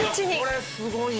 これすごいよ！